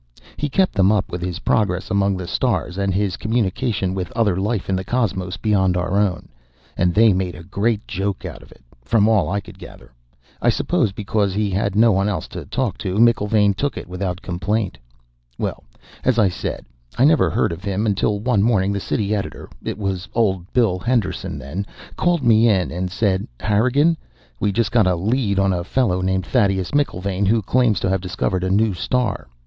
He kept them up with his progress among the stars and his communication with other life in the cosmos beyond our own, and they made a great joke out of it, from all I could gather. I suppose, because he had no one else to talk to, McIlvaine took it without complaint. Well, as I said, I never heard of him until one morning the city editor it was old Bill Henderson then called me in and said, 'Harrigan, we just got a lead on a fellow named Thaddeus McIlvaine who claims to have discovered a new star.